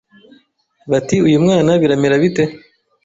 bati”uyu mwana biramera bite